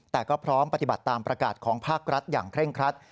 แต่ก็พร้อมปฏิบัติตามประกาศของภาครัฐอย่างเคร่งครัด